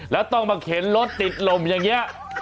แล้วต้องมาเข็นรถติดลมอย่างนี้